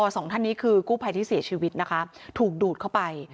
สองท่านนี้คือกู้ภัยที่เสียชีวิตนะคะถูกดูดเข้าไป